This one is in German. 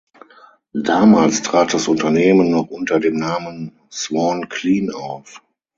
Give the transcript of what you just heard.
Damals trat das Unternehmen noch unter dem Namen "Swan Clean" auf.